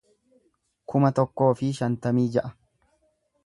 kuma tokkoo fi shantamii ja'a